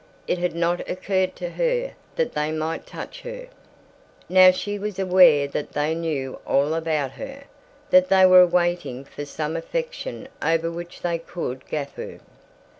It had not occurred to her that they might touch her. Now she was aware that they knew all about her; that they were waiting for some affectation over which they could guffaw.